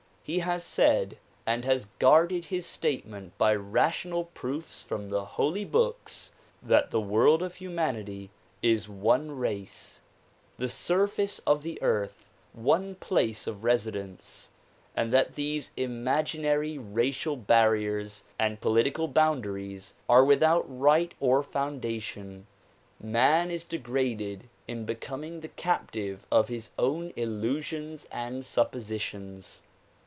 He has said and has guarded his statement by rational proofs from tlie holy books, that the world of humanity is one race, the surface of the earth one place of residence and that these imaginary racial barriers and political boundaries are without right or foundation. ]Man is degraded in becoming the captive of his own illusions and suppositions.